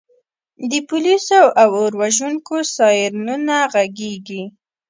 د پولیسو او اور وژونکو سایرنونه غږیږي